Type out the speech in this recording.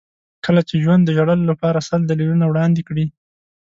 کله چې ژوند د ژړلو لپاره سل دلیلونه وړاندې کړي.